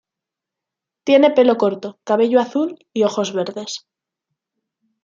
Tiene pelo corto, cabello azul y ojos verdes.